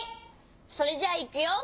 それじゃあいくよ。